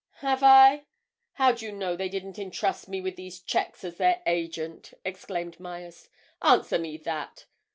"Have I? How do you know they didn't entrust me with these cheques as their agent?" exclaimed Myerst. "Answer me that!